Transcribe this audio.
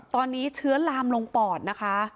ตอนนี้เชื้อลามลงปอดนะคะ